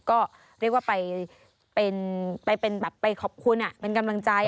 ก็เรียกว่าไปขอบคุณเป็นกำลังใจ